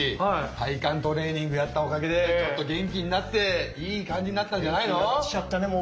体幹トレーニングやったおかげでちょっと元気になっていい感じになったんじゃないの？